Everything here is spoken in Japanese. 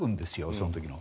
その時の。